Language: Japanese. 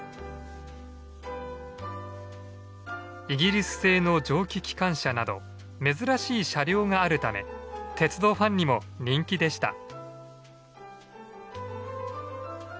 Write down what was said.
イギリス製の蒸気機関車など珍しい車両があるため鉄道ファンにも人気でした。